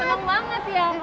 semangat banget ya